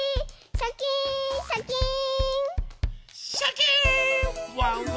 シャキーンシャキーン！